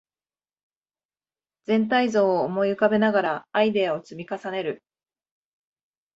全体像を思い浮かべながらアイデアを積み重ねる